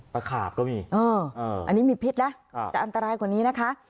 ขาบก็มีอันนี้มีพิษนะจะอันตรายกว่านี้นะคะ